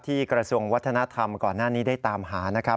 กระทรวงวัฒนธรรมก่อนหน้านี้ได้ตามหานะครับ